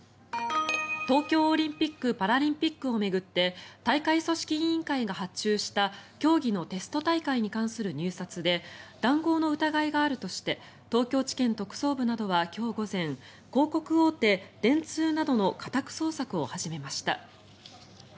東京オリンピック・パラリンピックを巡って大会組織委員会が発注した競技のテスト大会に関する入札で談合の疑いがあるとして東京地検特捜部などは今日午前広告大手、電通などの家宅捜索を始めました。